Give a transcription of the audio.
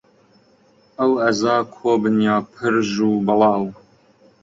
ئەو ئەعزا کۆبن یا پرژ و بڵاو